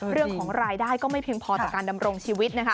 เรื่องของรายได้ก็ไม่เพียงพอต่อการดำรงชีวิตนะคะ